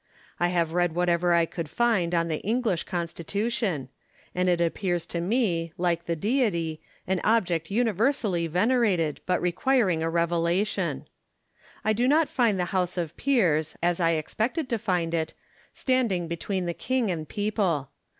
I have read whatever I could find on the English Constitution ; and it appears to me, like the Deity, an object universally venerated, but requiring a Revelation. I do not find the House of Peers, as I expected to find it, standing between the king and people.